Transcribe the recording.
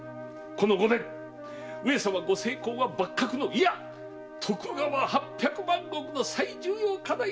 この五年上様ご成婚は幕閣のいや徳川八百万石の最重要課題でございました。